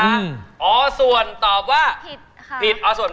อัสวรตอบว่าผิดค่ะผิดอัสวรค่ะ